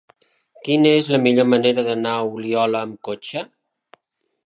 Quina és la millor manera d'anar a Oliola amb cotxe?